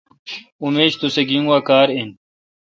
اؙن میش توسہ گیجین گوا کار این۔